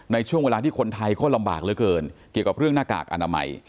ในช่วงเวลาที่คนไทยก็ลำบากเหลือเกินเกี่ยวกับเรื่องหน้ากากอนามัย